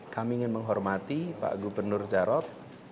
kami ingin menghormati pak gubernur jarot